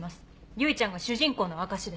唯ちゃんが主人公の証しです。